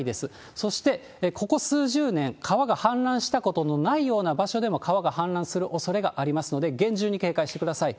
そして、ここ数十年、川が氾濫したことのないような場所でも川が氾濫するおそれがありますので、厳重に警戒してください。